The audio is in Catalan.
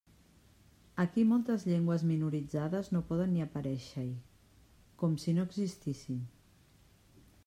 Aquí moltes llengües minoritzades no poden ni aparèixer-hi, com si no existissin.